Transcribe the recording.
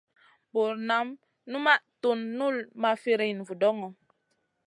Bur nam numaʼ tun null ma firina vudoŋo.